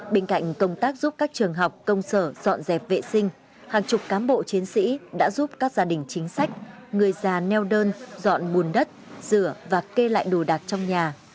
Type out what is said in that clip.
bên cạnh công tác giúp các trường học công sở dọn dẹp vệ sinh hàng chục cám bộ chiến sĩ đã giúp các gia đình chính sách người già neo đơn dọn bùn đất rửa và kê lại đồ đạc trong nhà